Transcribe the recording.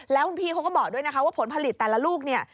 แล้วคุณพี่เขาก็บอกด้วยนะคะว่าผลผลิตแต่ละลูกเนี่ย